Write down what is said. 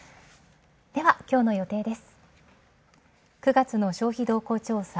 では今日の予定です。